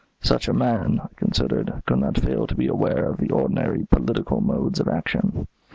Such a man, I considered, could not fail to be aware of the ordinary policial modes of action.